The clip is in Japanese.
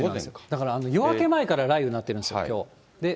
だから夜明け前から雷雨になっているんですよ、きょう。